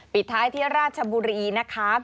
ปิดท้ายที่ราชบุรีนะคะ